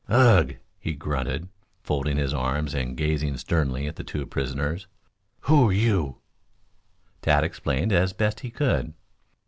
"Ugh!" he grunted, folding his arms and gazing sternly at the two prisoners. "Who you?" Tad explained as best he could.